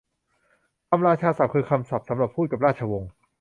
คำราชาศัพท์ คือคำศัพท์สำหรับพูดกับราชวงศ์